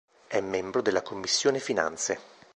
È membro della Commissione Finanze.